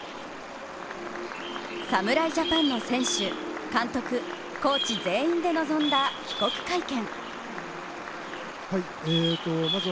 侍ジャパンの選手、監督、コーチ全員で臨んだ帰国会見。